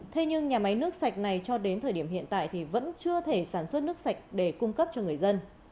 thế nhưng nhà máy nước sạch này cho đến thời điểm hiện tại thì vẫn chưa thể sản xuất nước sạch để cung cấp cho người dân